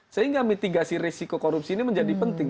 sehingga mitigasi risiko korupsi ini menjadi penting